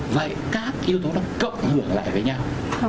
vậy các yếu tố đó cộng hưởng lại với nhau